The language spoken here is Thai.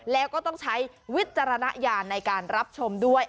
แล้วก็ต้องใช้วิจารณญาณในการรับชมด้วย